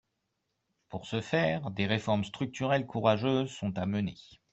Pour ce faire, des réformes structurelles courageuses sont à mener.